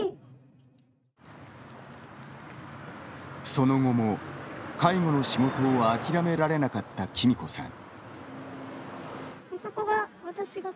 その後も、介護の仕事を諦められなかったきみこさん。